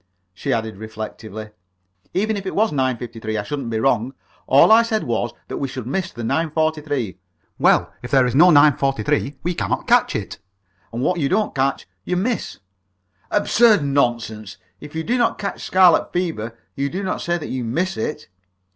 she added, reflectively. "Even if it was 9.53, I shouldn't be wrong. All I said was, that we should miss the 9.43. Well, if there is no 9.43, we cannot catch it; and what you don't catch, you miss!" "Absurd nonsense! If you do not catch scarlet fever, you do not say that you miss it!"